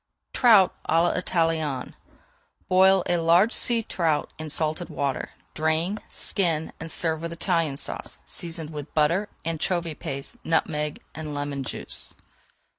TROUT À L'ITALIENNE Boil a large sea trout in salted water, drain, skin, and serve with Italian Sauce, seasoned with butter, anchovy paste, nutmeg, and lemon juice.